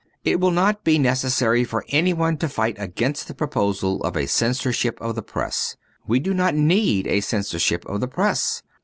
It will not be necessary for anyone to fight against the proposal of a censorship of the Press. We do not need a censorship of the Press.